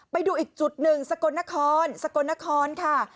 ไปดูอีกจุดหนึ่งสกลนครสกลนครค่ะ